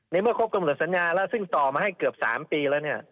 เมื่อครบกำหนดสัญญาแล้วซึ่งต่อมาให้เกือบ๓ปีแล้วเนี่ย